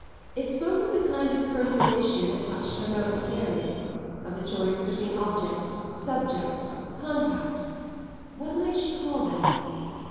It spoke of the kind of personal issue that touched her most nearly; of the choice between objects, subjects, contacts what might she call them?